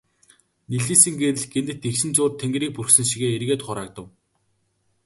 Нэлийсэн гэрэл гэнэт эгшин зуур тэнгэрийг бүрхсэн шигээ эргээд хураагдав.